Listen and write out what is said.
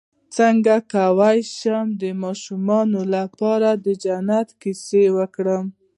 څنګه کولی شم د ماشومانو لپاره د جنت کیسه وکړم